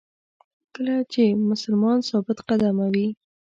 کله چې مسلمان ثابت قدمه وي.